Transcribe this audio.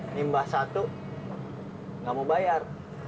ini mbah satu nggak mau bayar